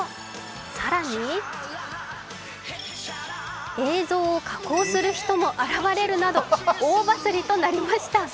更に、映像を加工する人も現れるなど大バズりとなりました。